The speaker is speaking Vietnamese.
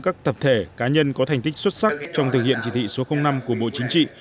các tập thể cá nhân có thành tích xuất sắc trong thực hiện chỉ thị số năm của bộ chính trị